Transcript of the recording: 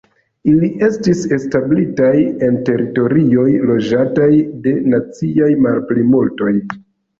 Ili estis establitaj en teritorioj, loĝataj de naciaj malplimultoj.